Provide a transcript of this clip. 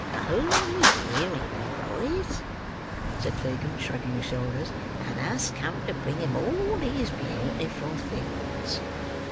"Only hear him, boys!" said Fagin, shrugging his shoulders. "And us come to bring him all these beau ti ful things."